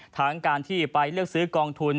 ทั้งการที่ไปเลือกซื้อกองทุน